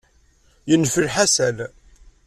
Yenfel Ḥasan.